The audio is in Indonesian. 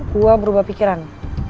gue berubah pikiran